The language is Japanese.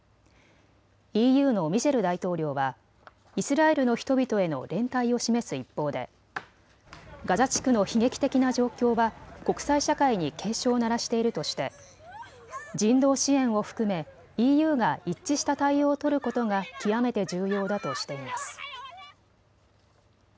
ＥＵのミシェル大統領はイスラエルの人々への連帯を示す一方でガザ地区の悲劇的な状況は国際社会に警鐘を鳴らしているとして人道支援を含めＥＵが一致した対応を取ることが極めて重要だとしています。